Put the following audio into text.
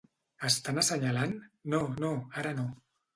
"Estan assenyalant?" No, no. Ara no.